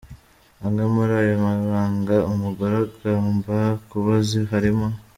Amwe muri ayo mabanga umugore agamba kuba azi harimo:.